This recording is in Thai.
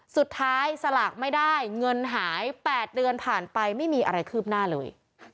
สลากไม่ได้เงินหาย๘เดือนผ่านไปไม่มีอะไรคืบหน้าเลย